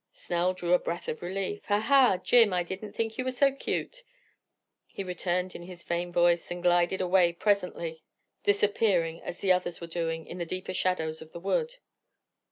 Snell drew a breath of relief. "Ha! ha! Jim, I didn't think you were so cute," he returned in his feigned voice, and glided away presently disappearing, as others were doing, in the deeper shadows of the wood.